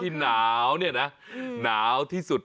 สุดยอดน้ำมันเครื่องจากญี่ปุ่น